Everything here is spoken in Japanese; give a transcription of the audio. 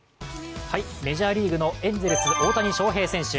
メジャーリーグのエンゼルス大谷翔平選手。